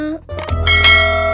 duit dari mana